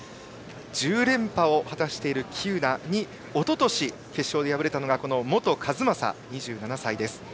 １０連覇を果たしている喜友名におととし敗れたのが本一将、２７歳です。